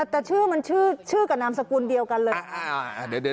แต่ชื่อมันชื่อกับนามสกุลเดียวกันเลย